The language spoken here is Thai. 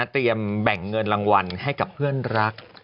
แบ่งเงินรางวัลให้กับเพื่อนรัก